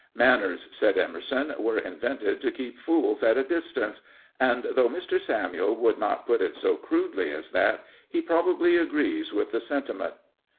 " Manners," said Emerson, " were invented to keep fools at a distance," and though Mr. Samuel would not put it so crudely as that, he probably agrees with the sentiment.